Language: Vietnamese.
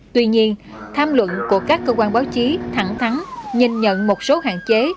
tuy nhiên tham luận của các cơ quan báo chí thẳng thắn nhìn nhận một số hạn chế